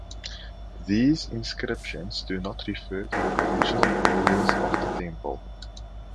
These inscriptions do not refer to the original builders of the temple.